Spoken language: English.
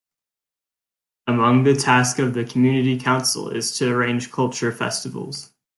Among the task of the community council is to arrange culture festivals.